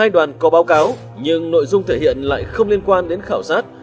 hai đoàn có báo cáo nhưng nội dung thể hiện lại không liên quan đến khảo sát